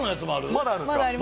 まだあるんですか。